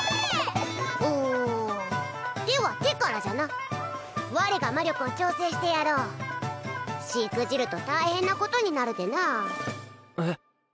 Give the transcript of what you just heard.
うでは手からじゃな我が魔力を調整してやろうしくじると大変なことになるでなえっ？